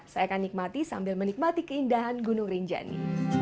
saya akan nikmati sambil menikmati keindahan gunung rinjani